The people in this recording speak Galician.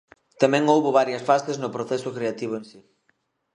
Tamén houbo varias fases no proceso creativo en si.